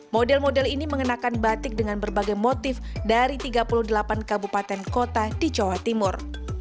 model model ini mengenakan batik dengan berbagai motif dari tiga puluh delapan kabupaten kota di jawa timur